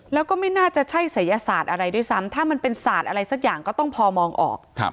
แล้วก็ไม่น่าจะใช่ศัยศาสตร์อะไรด้วยซ้ำถ้ามันเป็นศาสตร์อะไรสักอย่างก็ต้องพอมองออก